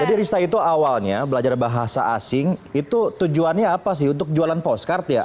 jadi rista itu awalnya belajar bahasa asing itu tujuannya apa sih untuk jualan postcard ya